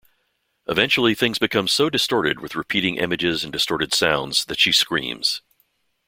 Eventually things become so distorted with repeating images and disorted sounds that she screams.